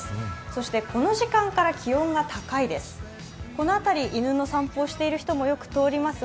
そしてこの時間から気温が高いです。